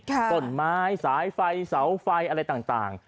ต้นไม้สายไฟเสาไฟอะไรต่าง